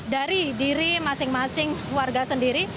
dari diri masing masing warga sendiri